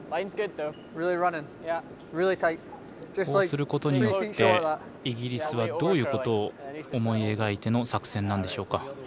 そうすることによってイギリスはどういうことを思い描いての作戦なんでしょうか。